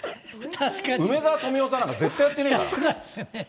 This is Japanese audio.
梅沢富美男なんか絶対やってねーな。